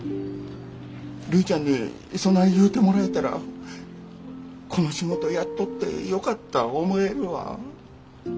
るいちゃんにそない言うてもらえたらこの仕事やっとってよかった思えるわ。